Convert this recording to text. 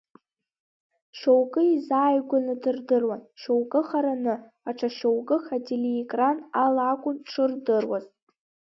Шьоукы изааигәаны дырдыруан, шьоукы хараны, аҽашьоукых ателеекран ала акәын дшырдыруаз.